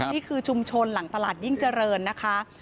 นี่คือชุมชนหลังตลาดยิ่งเจริญนะคะ